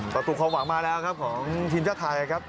ประตูความหวังมาแล้วครับของทีมชาติไทยครับ